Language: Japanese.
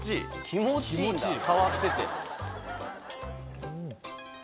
気持ちいいんだ触ってて。